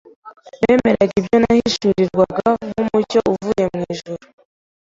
bemeraga ibyo nahishurirwaga nk’umucyo uvuye mu ijuru.